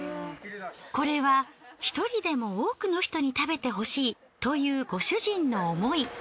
これは１人でも多くの人に食べてほしいというご主人の思い。